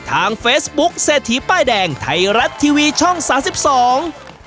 ทางเฟซบุ๊คเศรษฐีป้ายแดงไทยรัฐทีวีช่องสามสิบสอง